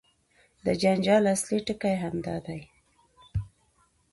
د جنجال اصلي ټکی همدا دی.